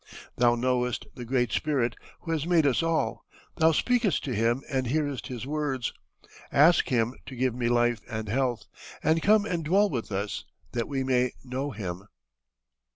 Thou knowest the Great Spirit, who has made us all; thou speakest to him and hearest his words: ask him to give me life and health, and come and dwell with us, that we may know him."